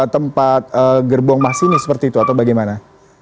tempat gerbong mas ini seperti itu atau bagaimana